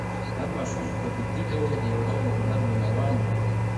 هر ماشوم په فطري ډول د یو ډول هنر مینه وال وي.